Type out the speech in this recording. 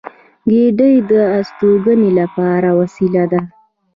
کېږدۍ د استوګنې لپاره وسیله ده